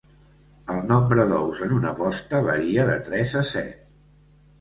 El nombre d'ous en una posta varia de tres a set.